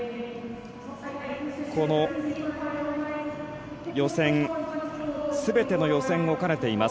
この予選すべての予選をかねています。